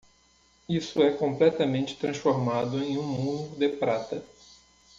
Isso é completamente transformado em um mundo de prata.